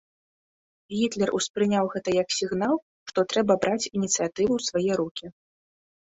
Гітлер успрыняў гэта як сігнал, што трэба браць ініцыятыву ў свае рукі.